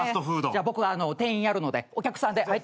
じゃあ僕店員やるのでお客さんで入ってきて。